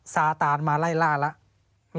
ซาตานมาไล่ล่าแล้ว